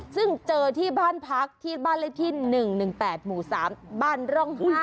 ซึ่งเจอที่บ้านพักที่บ้านเลขที่๑๑๘หมู่๓บ้านร่อง๕